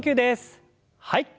はい。